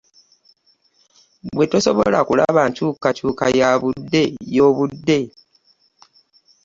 Gwe tosobola kulaba nkyukakyuka y'obudde.